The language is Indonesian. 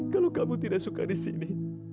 kalau kamu tidak suka di sini